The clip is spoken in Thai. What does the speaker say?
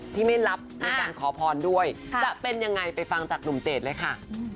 ที่ไม่รับแล้วก็การขอพรด้วยจะเป็นอย่างไรไปฟังจากดุมเจดเลยค่ะ